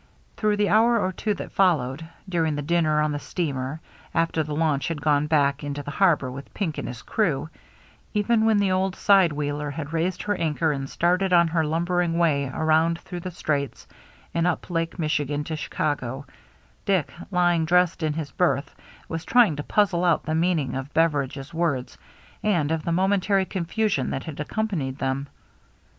Through the hour or two that followed, during the dinner on the steamer, after the launch had gone back into the harbor with Pink and his crew, even when the old sidc whceler had raised her anchor and started on her lumbering way around through the HARBOR LIGHTS 379 Straits and up Lake Michigan to Chicago, Dick, lying dressed in his berth, was trying to puzzle out the meaning of Beveridge's words and of the momentary confusion that had accompanied them.